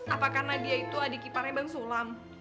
apakah nadia itu adik iparnya bang sulam